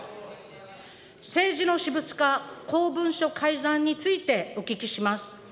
政治の私物化、公文書改ざんについてお聞きします。